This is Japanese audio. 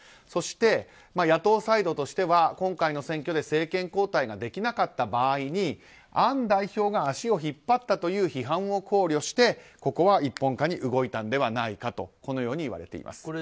そして、野党サイドとしては今回の選挙で政権交代ができなかった場合にアン代表が足を引っ張ったという批判を考慮して一本化に動いたのではないかとこのように言われています。